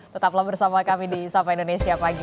tetaplah bersama kami di sapa indonesia pagi